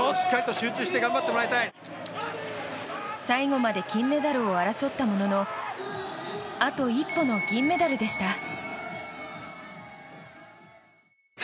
最後まで金メダルを争ったもののあと一歩の銀メダルでした。